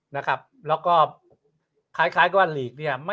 แล้วก็คล้ายก็ว่าลีกเนี่ย